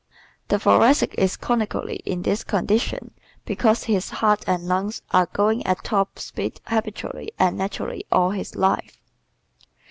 The Thoracic is chronically in this condition because his heart and lungs are going at top speed habitually and naturally all his life.